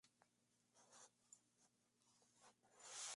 La banda cita como sus influencias At The Gates, Meshuggah y Edge of Insanity.